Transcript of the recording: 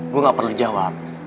gue gak perlu jawab